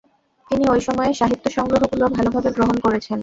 তিনি ঐ-সময়ের সাহিত্য-সংগ্রহগুলো ভালোভাবে গ্রহণ করেছেন।